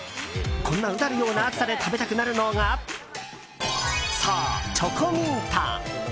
こんなうだるような暑さで食べたくなるのがそう、チョコミント。